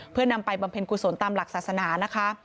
เพื่อนำไปบำเพ็ญกุศลตามหลักศาสนานะคะ